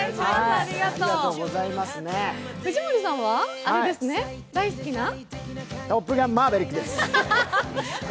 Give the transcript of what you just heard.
藤森さんはあれですね、大好きな「トップガンマーヴェリック」です。